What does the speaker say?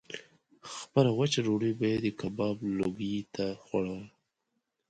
خپله وچه ډوډۍ به یې د کباب لوګي ته خوړه.